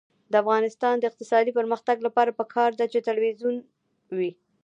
د افغانستان د اقتصادي پرمختګ لپاره پکار ده چې تلویزیون وي.